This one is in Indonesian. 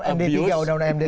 dalam md tiga udah udah md tiga